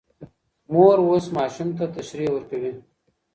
مور اوس ماشوم ته تشریح ورکوي.